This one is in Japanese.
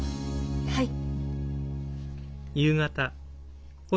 はい。